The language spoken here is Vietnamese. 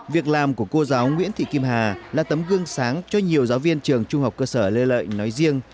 việc làm của cô giáo nguyễn thị kim hà là tấm gương sáng cho nhiều giáo viên trường trung học cơ sở lê lợi nói riêng